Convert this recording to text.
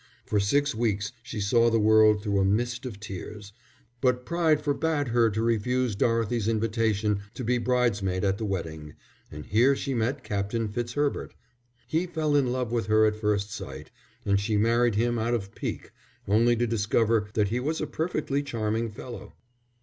For six weeks she saw the world through a mist of tears, but pride forbade her to refuse Dorothy's invitation to be bridesmaid at the wedding, and here she met Captain Fitzherbert. He fell in love with her at first sight and she married him out of pique, only to discover that he was a perfectly charming fellow.